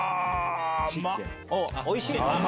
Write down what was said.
おいしい？